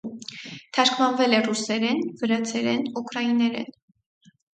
Թարգմանվել է ռուսերեն, վրացերեն, ուկրաիներեն։